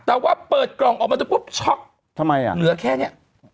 แต่ว่าเปิดกล่องออกมาดูปุ๊บช็อกทำไมอ่ะเหลือแค่เนี้ย